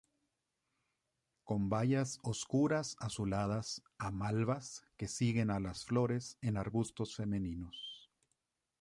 Con bayas oscuras azuladas a malvas que siguen a las flores en arbustos femeninos.